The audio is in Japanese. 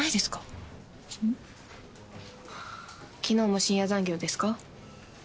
昨日も深夜残業ですか？